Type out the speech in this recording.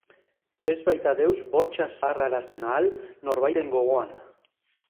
Ez baita deus bortxaz sar arazten ahal norbaiten gogoan!